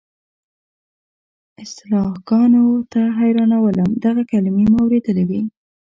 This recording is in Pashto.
اصطلاحګانو تل حیرانولم، دغه کلیمې مو اورېدلې وې.